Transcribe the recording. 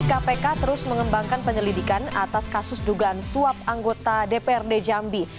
kpk terus mengembangkan penyelidikan atas kasus dugaan suap anggota dprd jambi